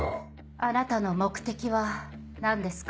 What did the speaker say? あなたの目的は何ですか？